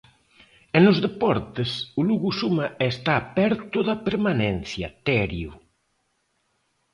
E nos deportes, o Lugo suma e está preto da permanencia, Terio.